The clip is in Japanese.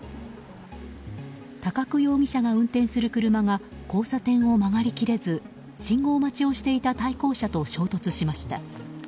高久容疑者が運転する車が交差点を曲がり切れず信号待ちをしていた対向車と衝突しました。